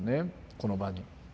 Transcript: この場に。